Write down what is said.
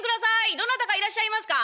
どなたかいらっしゃいますか？」。